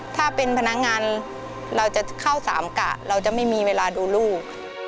ถ้าเป็นพนักงานเราจะเข้าสามกะเราจะไม่มีเวลาดูลูก